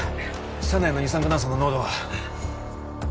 車内の二酸化炭素の濃度は？